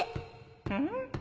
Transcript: うん？